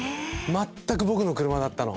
全く僕の車だったの！